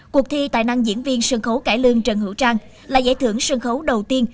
cuộc thi tài năng diễn viên sân khấu cải lương trần hữu trang là giải thưởng sân khấu đầu tiên